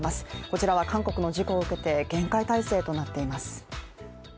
こちらは韓国の事故を受けて厳戒態勢となっています。